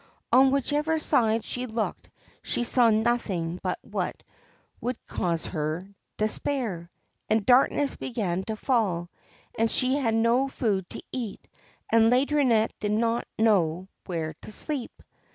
On whichever side she looked she saw nothing but what would cause her despair ; and darkness began to fall, and she had no food to eat, and Laideronnette did not know where to sleep.